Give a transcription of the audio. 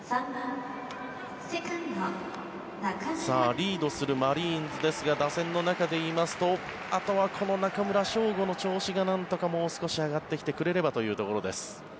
リードするマリーンズですが打線の中で言いますとあとはこの中村奨吾の調子がなんとか、もう少し上がってきてくれればというところです。